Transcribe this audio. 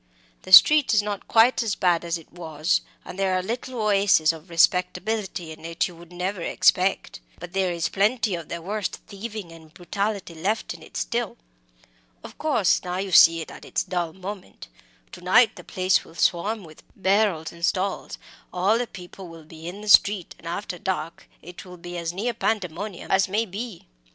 The street is not quite as bad as it was; and there are little oases of respectability in it you would never expect. But there is plenty of the worst thieving and brutality left in it still. Of course, now you see it at its dull moment. To night the place will swarm with barrows and stalls, all the people will be in the street, and after dark it will be as near pandemonium as may be.